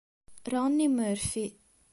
Ronnie Murphy